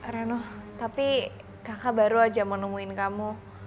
renu tapi kakak baru aja menemuin kamu